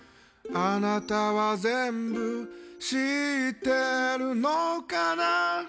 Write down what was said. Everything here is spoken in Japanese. あなたは全部知ってるのかな